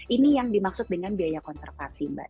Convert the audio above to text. ini yang dimaksud dengan biaya konservasi mbak